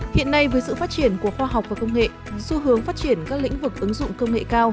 hiện nay với sự phát triển của khoa học và công nghệ xu hướng phát triển các lĩnh vực ứng dụng công nghệ cao